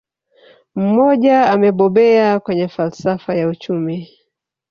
Mmoja amebobea kwenye falsafa ya uchumi